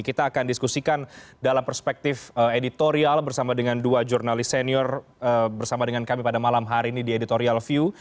kita akan diskusikan dalam perspektif editorial bersama dengan dua jurnalis senior bersama dengan kami pada malam hari ini di editorial view